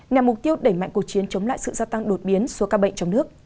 nhằm mục tiêu đẩy mạnh cuộc chiến chống lại sự gia tăng đột biến số ca bệnh trong nước